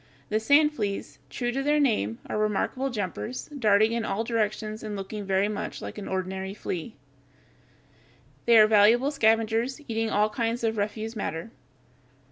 The sand fleas, true to their name, are remarkable jumpers, darting in all directions and looking very much like an ordinary flea (Fig. 141). They are valuable scavengers, eating all kinds of refuse matter.